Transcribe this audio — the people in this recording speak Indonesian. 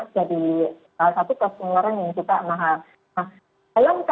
jadi salah satu cost yang orang yang suka mahal